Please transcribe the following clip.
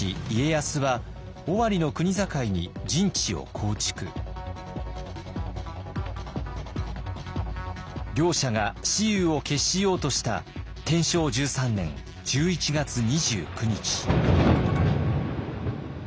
これに対し両者が雌雄を決しようとした天正１３年１１月２９日。